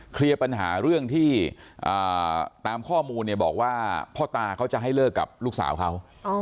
เคลียร์ปัญหาเรื่องที่ตามข้อมูลเนี่ยบอกว่าพ่อตาเขาจะให้เลิกกับลูกสาวเขา